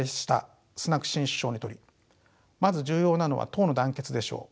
新首相にとりまず重要なのは党の団結でしょう。